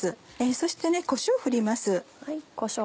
そしてこしょう振ります。